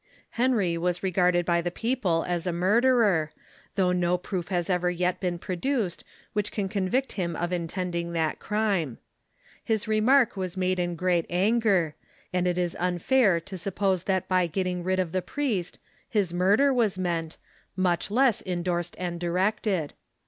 Henry was regarded by the people as a murderer, though no proof has ever yet been produced which can con vict him of intending that crime. His remark was made in great anger, and it is unfair to suppose that by getting rid of the priest his murder was meant, much less endorsed and di rected.